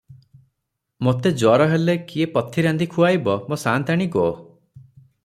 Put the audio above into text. ମୋତେ ଜର ହେଲେ କିଏ ପଥି ରାନ୍ଧି ଖୁଆଇବ, ମୋ ସାଆନ୍ତାଣି ଗୋ!